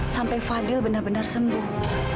sampai fadil benar benar sembuh